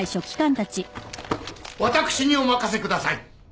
・私にお任せください！